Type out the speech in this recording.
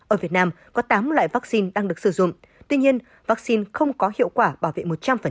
ở việt nam có tám loại vaccine đang được sử dụng tuy nhiên vaccine không có hiệu quả bảo vệ một trăm linh